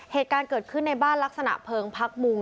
เหตุการณ์เกิดขึ้นในบ้านลักษณะเพลิงพักมุง